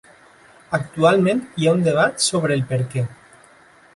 Actualment hi ha un debat sobre el perquè.